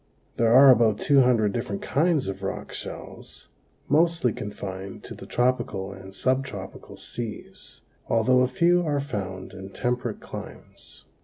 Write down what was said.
There are about two hundred different kinds of rock shells, mostly confined to the tropical and subtropical seas, although a few are found in temperate climes.